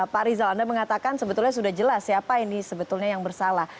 pak rizal anda mengatakan sebetulnya sudah jelas siapa ini sebetulnya yang bersalah